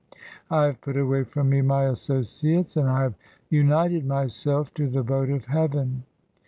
I have put away from me "my associates, and I have united myself to the boat of heaven.